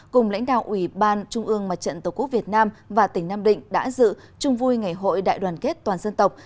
cùng lãnh đạo ủy ban trung ương mặt trận tổ quốc việt nam và tỉnh nam định đã dự chung vui ngày hội đại đoàn kết toàn dân tộc